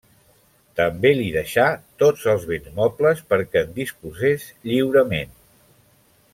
També li deixà tots els béns mobles perquè en disposés lliurement.